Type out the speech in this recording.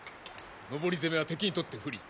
登り攻めは敵にとって不利。